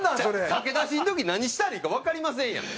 駆け出しの時何したらいいかわかりませんやん。